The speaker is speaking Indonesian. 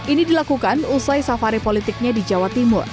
ini dilakukan usai safari politiknya di jawa timur